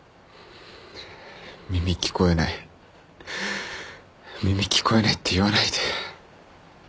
耳聞こえない耳聞こえないって言わないで。